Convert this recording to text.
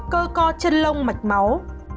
cơ co chân lông mạch máu